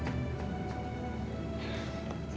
dia gak pernah capek